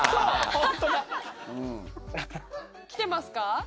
来てますか？